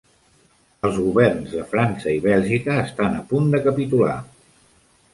Els governs de França i Bèlgica estan a punt de capitular.